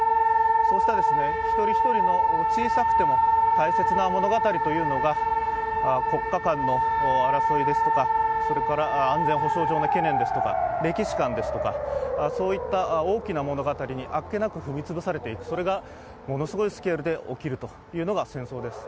そうした、一人一人の小さくても大切な物語というのが国家間の争いですとか安全保障上の懸念ですとか歴史観ですとか、そういった大きな物語にあっけなく踏みつぶされていく、それがものすごいスケールで起きるというのが戦争です。